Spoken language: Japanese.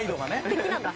敵なんだ。